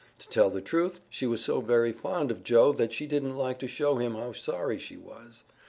To tell the truth, she was so very fond of Joe that she didn't like to show him how sorry she was.